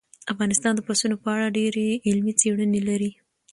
افغانستان د پسونو په اړه ډېرې علمي څېړنې لري.